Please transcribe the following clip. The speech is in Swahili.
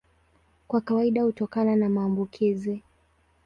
Kwa kawaida hutokana na maambukizi.